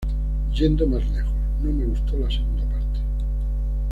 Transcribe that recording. Yendo más lejos: "No me gustó la segunda parte.